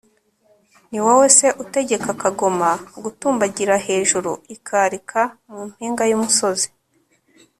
ni wowe se, utegeka kagoma gutumbagira hejuru, ikarika mu mpinga y'umusozi